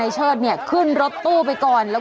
ขอบคุณครับขอบคุณครับ